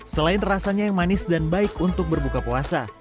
selain rasanya yang manis dan baik untuk berbuka puasa